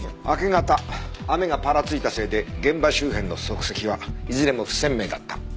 明け方雨がぱらついたせいで現場周辺の足跡はいずれも不鮮明だった。